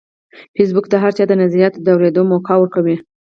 فېسبوک د هر چا د نظریاتو د اورېدو موقع ورکوي